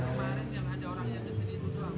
baru kemarin yang ada orangnya di sini itu doang